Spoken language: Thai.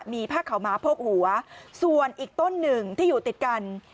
มีผ้าขาวม้าพกหัวส่วนอีกต้นหนึ่งที่อยู่ติดกัน